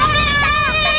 ada siluman orai